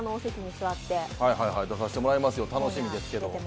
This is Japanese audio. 出させてもらいますよ、楽しみですけど。